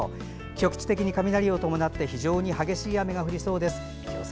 局地的に雷を伴って非常に激しい雨が降りそうです。